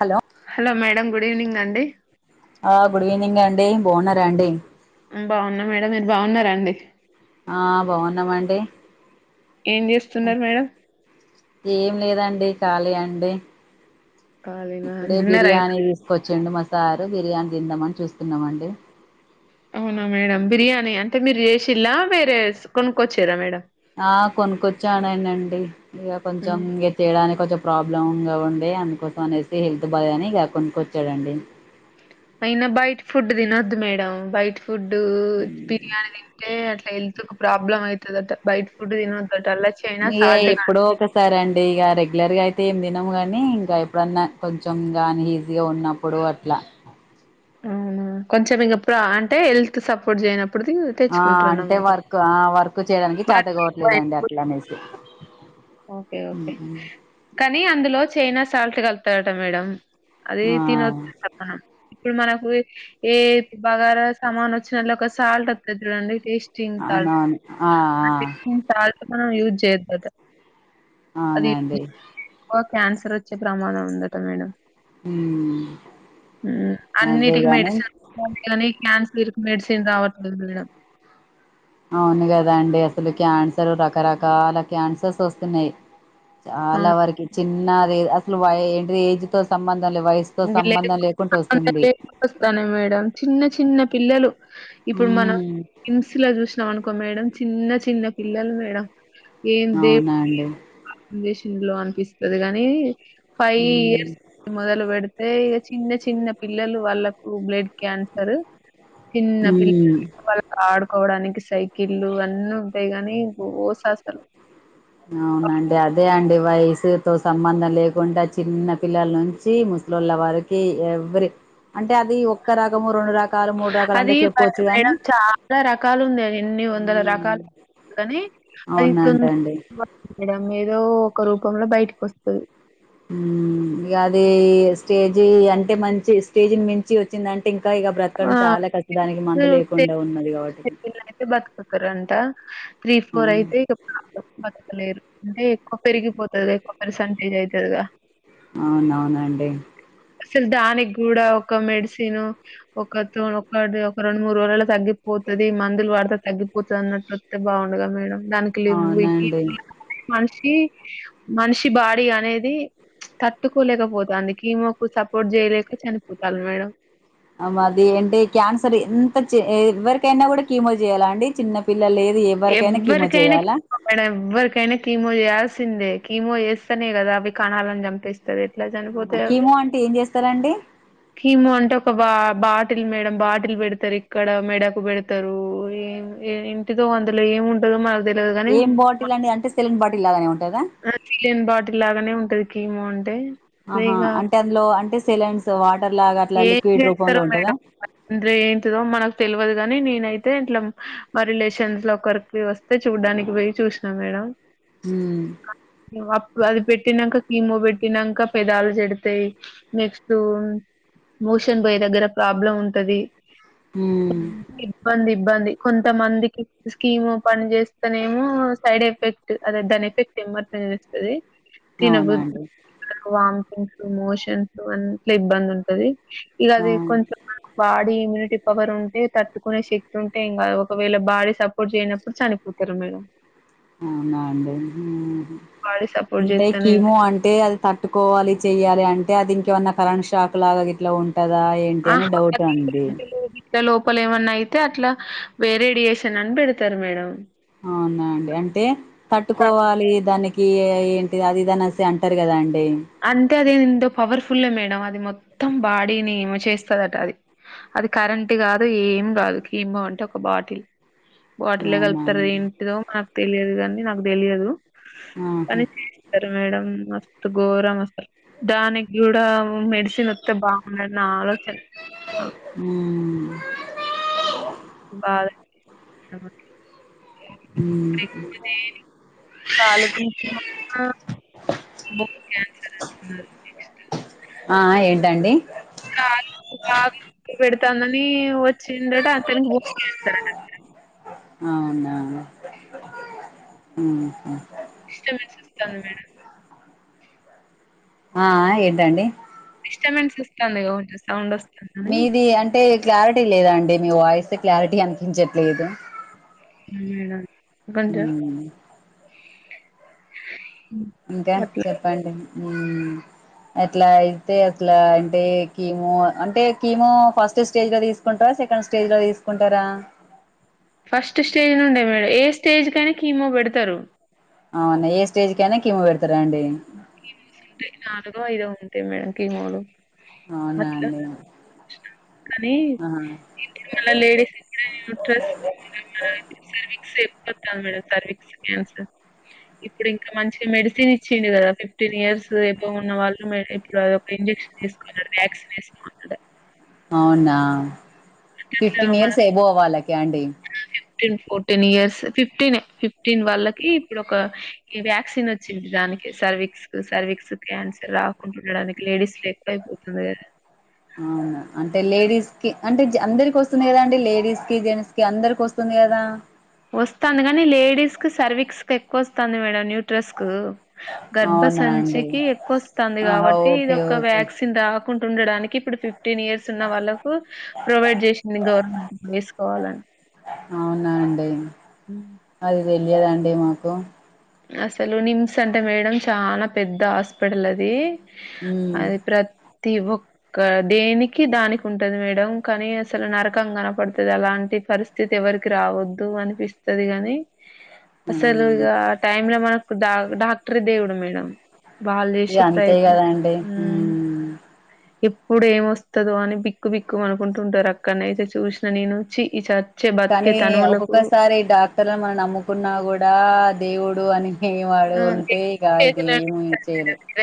Hello hello madam good evening అండి ఆ good evening అండి బాగున్నారా అండి బాగున్న మేడం మీరు బాగున్నార అండి ఆ బాగున్నామండి ఏం చేస్ ఏం లేదండి ఖాళీ అండి ఖాళీనా ఇప్పుడే డిన్నర్ అయిందా బిర్యానీ తీసుకొచ్చిండు మా సారు బిర్యానీ తిందామని చూస్తున్నామండి అవునా మేడం బిర్యానీ అంటే మీరు చేసిల్లా వేరే కొనుకొచ్చిర్ర మేడం ఆ కొనుక్కొచ్చానునండి ఇగ కొంచెం ఇంగ తేడానికికొంచం ప్రాబ్లం గా ఉండే అందుకోసం అనేసి హెల్త్ బాలేదు అని ఇగ కొనుక్కోచ్చాడండి అయినా బయట్ ఫుడ్ తినొద్దు మేడం బయిటి ఫుడ్డు బిర్యాని తింటే అట్ల హెల్త్ కు ప్రాబ్లమ్ అయితదట బయట ఫుడ్ తినదట అలా చైనా సాల్ట్ కా సరే అండి ఇగ రెగ్యులర్గా అయితే ఏం తినము కానీ ఇంకా ఎప్పుడన్నా కొంచెం కానీ ఈజీగా ఉన్నా ప్పుడు అట్ల అవునా కొంచెం ఇంగ ప్రా అంటే హెల్త్ సపోర్ట్ చేయనప్పుడు ఆ తెచ్చుకుంటారు అంటే అన్నమాట వర్క్ ఆ వర్క్ చేయడానికి చాతకవట్లేదండి అట్లానేసి ఓకే ఓకే కానీ అందులో చైనా సాల్ట్ కలుతదట మేడం అది తినద్దు అంట మనం ఇప్పుడు మనకు ఏ బగార సామాన్ వచ్చినళ ఒక సాల్ట్ వత్తది చూడండి టేస్ట్ పింక్ సాల్ట్ ఆ పింక్ సాల్ట్ మనం యూజ్ చేయొద్దు అట అవునండి ఓ క్యాన్సర్ వచ్చే ప్రమాదం ఉందట మేడం మ్మ్ మ్మ్ అన్నిటికి మెడిసిన్లా కానీ క్యాన్సర్ కి మెడిసిన్ రావట్లేదు మేడం అవును కదా అండి అసలు క్యాన్సర్ రకరకాల క్యాన్సర్స్ వస్తున్నాయి ఆ! చాలా వరకి చిన్నది అసలు వా ఏంటిది ఏజ్ తో సంబంధం లే వయసు తో లేదు సంబంధం లేకుండా వస్తుంది వస్తానే మేడం చిన్న చిన్న పిల్లలు ఇప్పుడు మనం ఉమ్, హిమ్స్ లో చూసినాం అనుకో మేడం చిన్న చిన్న పిల్లలు మేడం ఏం దే అవునా అండి [inaudible] చేసిండ్లో అనిపిస్తది గానీ ఫైవ్ ఉమ్, ఇయర్స్ [inaudible] మొదలు పెడు తే ఇగ చిన్న చిన్న పిల్లలు వాళ్ళకు బ్లడ్ క్యాన్సర్ చిన్న పిల్ల ఉమ్. వాళ్ళ ఆడుకోవడానికి సైకిల్లు అన్నీ ఉంటాయి గాని ఓస అసలు అవునండి అదే అండి వయసుతో సంబంధం లేకుంటే ఆ చిన్న పిల్లల నుంచి ముసలోళ్ల వరకు ఏ ఎవ్వరి అంటే అది ఒక్క రకము రెండు రకాలు మూడు రకాలు అది అంటే చెప్పొచ్చు గాని మేడం చాలా రకాలు ఉంది ఎన్ని వందల హ్మ్. రకాలు కాని అది [inaudible] అవునంటండి తొందరడం [inaudible] ఏదో ఒక రూపంలో బయటకి వస్తది మ్మ్ అది స్టేజీ అంటే మంచి స్టేజీ నీ మించి వచ్చిందన్ టె ఇంకా ఇగ ఆ బ్రతకడం చాలా కష్ట దానికి మందు లేకుండా ఉన్నది కాబట్టి సె అయితే బతుకతారు అంట త్రీ ఫోర్ అయితే ఇక బతకలేరు అంటే ఎక్కువ పెరిగిపోతుంది ఎక్కువ పర్సంటేజ్ అయితదిగా అవునవునండి అసలు దానికి కూడా ఒక మెడిసిన్ ఒక ఒక ఒక రెండు మూడు రోజు లల్లో తగ్గిపోతది మందులు వాడతా తగ్గిపోతది అన్నట్టు తే బాగుండగా మేడం దానికి కి అవునండి [inaudible] మనిషికి మనిషి బాడి అనేది తట్టుకోలేకపోతంది కీమోకు సపోర్ట్ చేయలేక చనిపోతాళ్లు మేడం ఆ మాది అంటే క్యాన్సర్ ఎంత చి ఎవరికైనా కూడా కీమో చేయ్యాల అండి చిన్న పిల్లలు లేదు ఎవ్వరికైనా కీమో చేయాలా ఇక్కడ ఎవ్వరికైనా కీమో చేయాల్సిందే కీమో చేస్తానే కదా అవి కనాలని చంపేసి మరి ఎట్లా జ కీమో అంటే ఏం చేస్తారండి కీము అంటే ఒక బా బాటిల్ మేడం బాటిల్ పెడతారు ఇక్కడ మెడకు పెడత తారు ఏం ఇంటితో అందులో ఏమింటదొ మాకు తెలవదు గాని ఇలాంటి అంటే సెలన్ బాటిలు లాగానే ఉంటందా అరే సిలియన్ బాటిల్ లాగానే ఉంటది కీమో అంటే ఆహా ఇగ అంటే అందులో అంటే సిలంస్ వాటర్ లాగా అట్లా లిక్విడ్ రూపంలో ఉంటదా అందురే ఏంటిదో మనకు తెల్వదు గాని నేనైతే ఇంట్లో మా రిలేషన్స్ లో ఒకరికి వస్త తే చూడ్డానికి పోయి చూసినాం మేడం హు ప్పు అది పెట్టినంకా కిమో పెట్టినంకా పెదాలు చెడతయి నెక్స్ట్ మోషన్ బోయే దగ్గర ప్రాబ్లం ఉంటది హు ఇబ్బంది ఇబ్బంది కొంత మందికి స్కీమ్ పని చేస్తనేమో సైడ్ ఎఫెక్ట్ అద దాన్ని ఎఫెక్ట్ నిమత్తు గా తెలుస్తది అవునా తినబుద్ అండి వామిటింగ్స్ మోషన్స్ అట్ల ఇబ్బంది ఉంటది ఇగ ఆ అది కొంచెం ఆ బాడీ ఇమ్యూనిటీ పవర్ ఉంటే తట్టుకునే శక్తి ఉంటె ఏం కాదు ఒకవేళ బాడీ సపోర్ట్ చేయనప్పుడు చనిపో అంతేనా మేడం అవునా అండి బాడీ సపోర్ట్ అంటే చేస్తేనే కీమో అంటే అది తట్ తట్టుకోవాలి చెయ్యాలి అంటే అది ఇంకేమన్నా కరెంట్ షాక్ లాగా గిట్లా ఉంటదా ఏంటి అని ఆహా డౌట్ అది అండి ఇట్లా లోపల ఏమన్నా అయితే అట్లా వేరేడియేషన్ అని పెడతారు మేడం అవునా అండి అంటే తట్టుకోవాలి దానికి కి ఏ ఏంటి అది ఇది అనేసి అంటారు కదా అండి అంటే అది ఎంతో పవర్ఫుల్ మేడం అది మొత్తం బాడీని ఏమో చేస్తదట అది అది కరెంట్ కాదు ఏం కాదు కేమో అంటే ఒక బాటిల్ బాటిల్లో అవునా కలుపుతారు అండి ఏంటిదో నాకు తెలియదు కానీ నాకు తెలియదు ఆహా సరే మేడం మస్తు గోరామ్ అస్సలు దానికి గుడా మెడిసిన్ వత్తే బాగున్ను అన్న ఆలోచన హు బాగా [unintelligible] ఇకు కాలు గు [unintelligible] బ [unintelligible] [inaudible] ఆ ఏంటండి బాగా పెడతానని వచ్చిందట అతనికి ఊ సార్ట [unintelligible] [inaudible] అవునా ఉహు డిస్టేబెన్స్ వస్తంది మేడం ఆ ఆ ఏంటండీ డిస్టర్బమెంట్స్ వస్తాంది కావచ్చు సౌండ్ వస్తంది మీది అంటే క్లారిటీ లేదా అండి మీ వాయిస్ క్లారిటీ అనిపించట్లేదు తినలేదా కొంచెం ఉమ్, ఇంకా అట్లా చెప్పండి హు అట్లా అయితే అట్లా అంటే కీము అంటే కీము ఫస్ట్ స్టేజ్ గా తీసు కుంటారా సెకండ్ స్టేజ్ లో తీసుకుంటారా ఫస్ట్ స్టేజ్ నుండే మేడం ఏ స్టేజ్ కైనా కీమో పెడుతారు అవునా ఏ స్టేజ్ కైనా కిమొ పెడుతారా అండి ఈ నాలుగో ఐదో ఉంటాయి మేడం కిమొ లు అవునా అండి కానీ ఆహా [unintelligible] లేడీస్కి కూడా [unintelligible] [unintelligible] మేడం సర్వక్స్ క్యాన్సర్ ఇప్పుడు ఇంకా మంచి మెడిసిన్ ఇచ్చింది కదా ఫిఫ్టీన్ ఇయర్స్ ఏబో ఉన్న వాళ్ళు ఇప్పుడు అది ఒక ఇంజక్షన్ వేసుకోలన్నరు వ్యాక్సిన్ వేసు [unintelligible] అవునా అట్లా ఫిఫ్టీన్ ఇయర్స్ ఏబో వాళ్ళక అండి ఫిఫ్టీన్ ఫోర్టీన్ ఇయర్స్ ఫిఫ్టీనే ఫిఫ్టీన్ వాళ్ళకి ఇప్పుడు ఒక ఈ వ్యాక్సిన్ వచ్చింది దానికి సర్వక్స్ సర్వీక్స్ క్యాన్సర్ రాకుంటుండడానికి లేడీస్ లో ఎక్కువయిపోతుంది కదా అవునా అంటే లేడీస్ కి అంటే అందరికి వస్తుంది కదా అండి లేడీస్ కి జెంట్స్ కి అందరికి వస్తుంది కదా వస్థంది కానీ లేడీస్ కి సర్వీక్స్ క ఎక్కువ వస్థంది మేడం న్యూట్రస్ కు గర్భ అవునా అండి సంచికి ఎక్కువ వస్తుంది ఆహా కాబట్టి ఇది ఓకే ఒక ఓకే వ్యాక్సిన్ రాక్ కుంటుండడానికి ఇప్పుడు ఫిఫ్టీన్ ఇయర్స్ న్న వాళ్ళకు ప్రొవైడ్ చేసింది గవర్నమెంట్ వేసుకోవాలని అవున అండి మ్ అది తెలియదాండి మాకు అసలు నిమ్స్ అంటే మేడం చాలా పెద్ద హాస్పిటల్ అది హ్మ్ అది ప్రతి ఒక్ క్క దేనికి దానికి ఉంటది మేడం కానీ అసలు నరకం కనపడుతది అలాంటి పరిస్ స్థితి ఎవరికి రావద్దు అనిపిస్తది గాని అసలు ఇగ అవునండి టైమ్ లో మనకు డాక్ డాక్టరే దేవుడు మేడం వాళ్ళు ఇగ చేసే అంతే ప్రయత్నలు కదండి మ్ ఉమ్ ఎప్పుడు ఏమొస్తదో అని బిక్కు బిక్కు అనుకుంటుంటారు అక్కడనయితే చూసిన నేను వచ్చి ఈ చా కానీ ఒక్కొక్కసారి డాక్టర్ మనం నమ్ముకున్నా కూడా దేవుడు అని ఇగ ఆడు ఆ ఉంటే దేవుడి ఇగ అది చేతిలోనే ఏమి ఉంటది చేయలేం మేడం.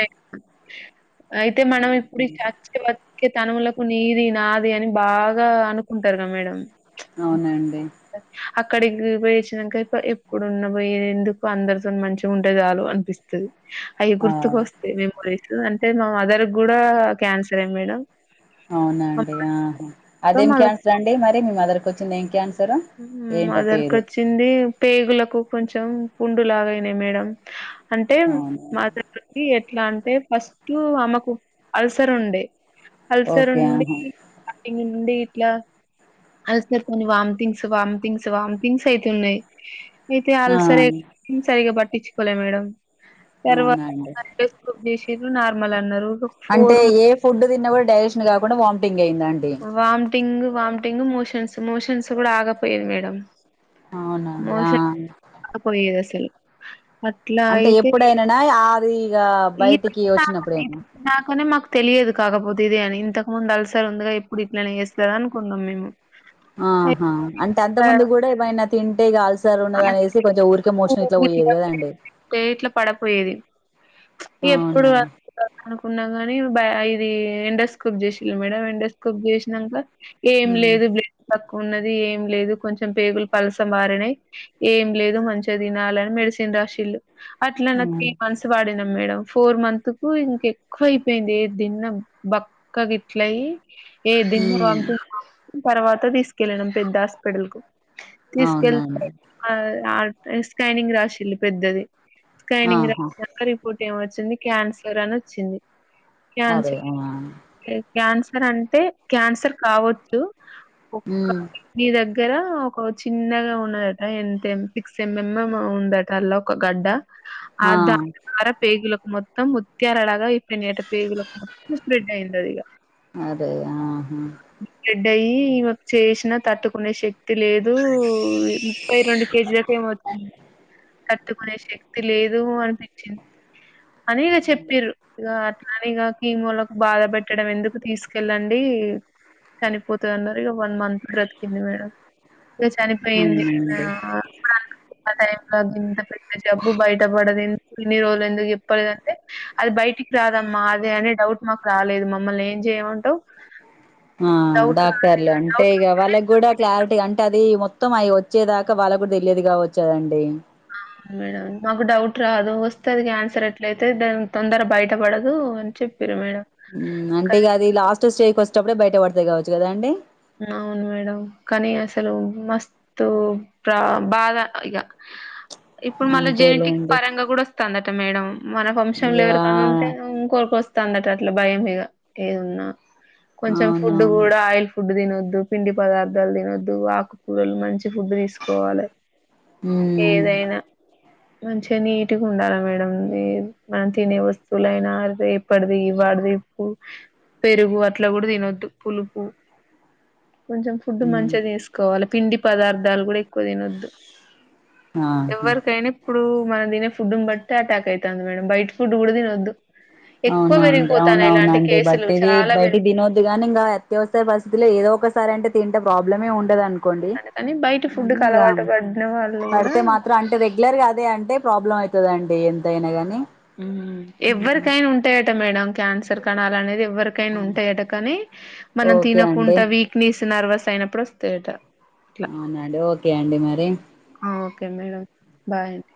అయితే మనం ఇప్పుడు [unintelligible] కే తనములకు నీది నాది అని బాగా అనుకుంటారుగా మేడం అవునండి అక్కడికి పోయ్యోచ్చినంక ఎప్పుడున్న పోయే ఎందుకు అందరితోన్ మంచ్ చిగుంటే చాలు అనిపిస్తది అయి ఆ గుర్తుకొస్ తె మెమోరీస్ అంటే మా మదర్ కూడా క్యాన్సరే మేడం అవునా మా అండి మదర్‌తో ఆహా అదేం మళ్ళ క్యాన్సర్ అండి మరి మీ మదర్కి వచ్చింది ఏం క్యాన్స సరు ఏంటో పేరు వచ్చింది పేగులకు కొంచెం పుండు లాగయినాయి మేడం అంటే అవును మధ ఎట్లా అంటే ఫస్ట్ అమ్మకు అల్సర్ ఉండే అల్సర్ ఓకే ఉండి ఆహా [unintelligible] ఉండి ఇట్ల అల్సర్ తోనీ వంథింగ్స్ వామ్థింగ్స్ వామ్థింగ్స్ అయితున్నాయి అయితే ఆ అల్సరే మీము సరిగా పట్టించుకోలే మేడం తర్వాత అవునండి [unintelligible] చేశిరు నార్మల్ అన్నరు అంటే ఏ ఫుడ్ తిన్న కూడా డైజెషన్ కాకుండా వామటింగ్ అయ్యిందండి వామటింగ వామటింగ మోషన్స్ మోషన్స్ కూడా ఆగపోయేది మేడం అవునండి ఆ అండ్ అ పోయేది అసల అట్లా అంటే అయితే ఎప్పుడైనానా అది ఇక ఈ బయటికి పాకు నేద్ వచ్చినప్పుడేనా నాకొనే మాకు తెలియదు కాకపోతే ఇది అని ఇంతకు ముందు అలసర ఉందిగా ఎప్పుడు ఇట్లనే చేస్తారు అనుకున్నాం మేము అయితే ఆహా అంటే అంత ఇట్లా ముందు కూడా ఏమైనా తింటే ఇగ అల్స్ సర్ ఉన్నదనేసి కొంచెం ఊరికే మోషన్ ఇట్లా పోయేది కదండి ఇట్లా పడపోయేది. అవునా అనుకున్నా గాని బ ఇది ఎండోస్కోప్ చేసిళ్ళు మేడం ఎండోస్కోప్ చేసినంకా ఏం ఉమ్ లేదు బ్లడ్ తక్కువ ఉన్నది ఏం లేదు కొంచెం పేగులు పలస మారినాయి ఏం లేదు మంచిగా తినాలని మెడిసిన్ రాసిళ్ళు అట్లా నాకు అవును త్రీ మంత్స్ వాడినా మేడం ఫోర్ మంత్ కు ఇంక ఎక్కువ అయిపోయింది ఏదిన్నం బక్క గ ఇట్లయి ఏ దిన్న ఉమ్ వాంటింగ్ తర్వాత తీసుకెళ్ళినం పెద్ద హాస్పిటల్ కు తీసుకెళ్తే అవునండి ఆ ఆడ స్కానింగ్ రాసిళ్ళి పెద్దది స్కానింగ్ ఆహా రాసినంక రిపోర్ట్ ఏం వచ్చింది క్యాన్సర్ అని వచ్చింది అదే అవుమా లేదు క్యాన్సర్ అంటే క్యాన్సర్ కావచ్చు ఉమ్ మీ దగ్గర ఒక చిన్నగా ఉన్నద ఎంత ఎం సిక్స్ ఎంఎం ఏమో ఉందట అలా ఒక గడ్డ ఆ దాన్ ప్రకారం పేగులకు మొత్తం ఉత్త్యారలాగా అయిపోయినట పేగులకు మొత్ స్ప్లిడ్ అయిందదిగా అదే ఆహా స్ప్లిడ్ అయ్యి వచ్చేశినా తట్టుకునే శక్తి లేదు పై రండు కేజీలకు ఏమవుతుంది తట్టుకునే శక్తి లేదు అనిపించింది అనేదో చెప్పిరు ఇగ అట్లానే ఇగా కీమోలకు బాధ పెట్టడం ఎందుకు తీసుకెళ్ళండి కనిపోతదన్నారు ఇగ వన్ మంత్ బ్రతికింది మేడం ఇంకా చనిపోయింది ఆ అవునండి ఆ టైమ్ అ ఇంత పెద్ద జబ్బు బయటపడది ఎం క ఇన్ని రోజులు ఎందుకు చెప్పలేదంటే అది బయటికి రాదమ్మా అదే అనే డౌట్ మాకు రాలేదు మమ్మల్ని ఏం చెయమంటావు ఆ డాక్ సర్లే అంతే ఇక వాళ్ళకి డౌట్ కూడా క్లారిటీ అంటే అది మొత్తం అవి వచ్చేదాకా వాళ్ళకి కూడా తెలియదు ఇగ వచ్చేదండి అవును మేడం మాకు డౌట్ రాదు వస్తే అది క్యాన్సర్ ఎట్లయితే దెన్ తొందర బయటపడదు అని చెప్ పేరు మేడం ఉమ్ అంటే ఇగ కానీ అది లాస్ట్ స్టేజ్కి వచ్చేటప్పుడే బయట పడతాయి కావచ్చు కదా అండి అవును మేడం కానీ అసలు మస్త్ తో ప్ర బాధ ఇక ఇప్పుడు మల్ల జెనటిక్ అంతేలేండి పరంగా కూడా ఒస్ కన్నటే మేడం మన వంశం లో ఇగా ఎవరికైన్నా ఉంటే ఇంకొరిక వస్త తందట అట్లా భయం ఇగ ఏదున్నా కొంచెం ఫుడ్ అవునవును కూడా ఆయిల్ ఫుడ్ తినొద్దు పిండి పదార్థాలు తినొద్దు ఆకుకూరలు మంచి ఫుడ్ తీస్ స్కోవాలే ఉమ్ ఏదైనా మంచిగా నీట్గా ఉండాలా మేడం మనం తినే వస్తువులైనా ఎ పటది వాడిది ఉ పెరుగు అట్లా కూడా తినొద్దు పులుపు కొంచెం ఫుడ్ ఉమ్ మంచిగాదీసుకోవాలి పిండి పదార్థాలు కూడా ఇప్ క్కువదినొద్దు ఆహా ఎవ్వరికైనా ఇప్పుడు మనం తినే ఫుడ్ బట్టి అటాక్ ఐతంది మేడం బైట్ ఫుడ్ కూడా తినొద్దు ఎక్కువ అవునండి పెరిగిపోతాను అవున ఇలాంటి అవునండి బట్ కేసులు ఇది చాలా బయటి దినోద్ అదిగాని ఇంకా అత్యవసర పరిస్థితిలో ఏదో ఒకసారి అంట తంటే ప్రాబ్లమే ఉండద అన్ కొండి పెరిగిపోతాను కానీ బయట ఫుడ్కి అన్నిగా అలవాటు పడిన వాళ్ళు కూడా పడితే మాత్ ఇ అంటే రెగ్యులర్గా అదే అంటే ప్రాబ్లం అయితదండి ఎంతైనా కానీ ఎవ్వరికైనా ఉంటాయట మేడం క్యాన్సర్ కనాలనేది ఎవ్వరి ఉంటాయట కానీ మనం ఓకే అండి తినకుండా వీక్నెస్ నర్వస్ అయినప్పుడు వస్తాయట అట్లా. అవునండి ఓకే అండి మరి ఓకే మేడం బాయ్ అండి